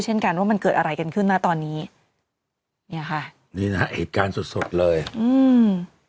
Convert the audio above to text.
เช่นกันว่ามันเกิดอะไรกันขึ้นนะตอนนี้เนี่ยค่ะนี่นะฮะเหตุการณ์สดสดเลยอืม